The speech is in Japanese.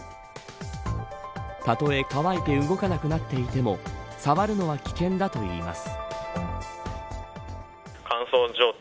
たとえ、乾いて動かなくなっていても触るのは危険だといいます。